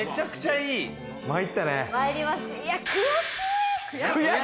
いや、悔しい！